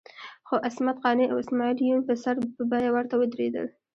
خو عصمت قانع او اسماعیل یون په سر په بیه ورته ودرېدل.